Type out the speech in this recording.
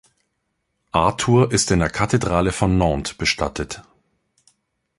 Arthur ist in der Kathedrale von Nantes bestattet.